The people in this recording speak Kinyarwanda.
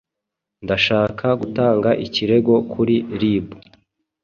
Ndashaka gutanga ikirego kuri rib.